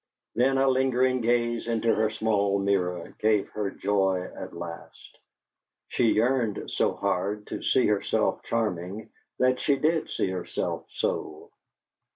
Then a lingering gaze into her small mirror gave her joy at last: she yearned so hard to see herself charming that she did see herself so.